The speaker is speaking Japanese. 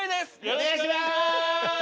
お願いします！